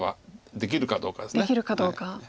できるかどうか。